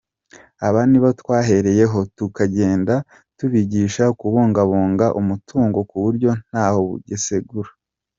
Aba nibo twahereyeho, tuzagenda tubigisha kubungabunga umutungo ku buryo hatabaho gusesagura.